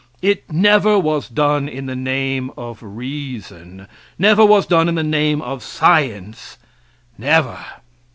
It never was done in the name of reason, never was done in the name of science never.